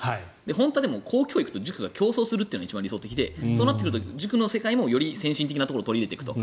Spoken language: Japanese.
本当は公教育と塾が競争するのが理想的でそうなってくると塾の世界もより先進的なことを取り入れていくと。